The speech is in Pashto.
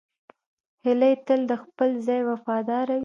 هیلۍ تل د خپل ځای وفاداره وي